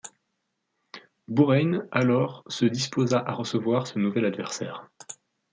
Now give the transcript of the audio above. Bourayne alors se disposa à recevoir ce nouvel adversaire.